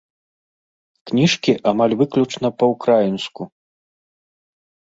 Кніжкі амаль выключна па-украінску.